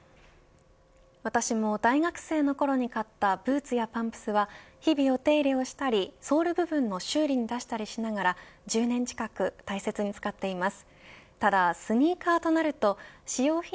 私も大学生のころに買ったブーツやパンプスは日々、お手入れをしたりソール部分を修理に出したりしながら１０年近く大切に使っています。